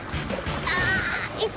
あいった！